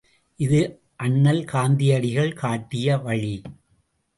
இது அண்ணல் காந்தியடிகள் காட்டிய வழி!